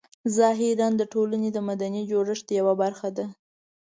ظاهراً د ټولنې د مدني جوړښت یوه برخه ده.